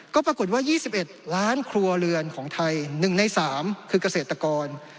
ก็ปรากฏว่า๒๑ล้านครัวเรือนของไทย๑ใน๓คือเกษตรกร